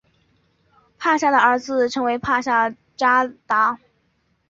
帕夏的儿子称为帕夏札达。